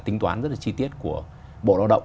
tính toán rất là chi tiết của bộ lao động